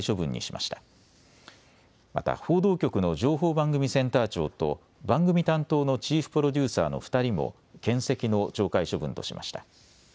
また報道局の情報番組センター長と番組担当のチーフプロデューサーの２人もけん責の懲戒処分としました。